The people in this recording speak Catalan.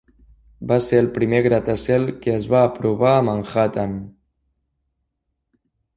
Va ser el primer gratacel que es va aprovar a Manhattan.